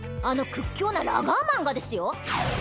あの屈強なラガーマンがですよ？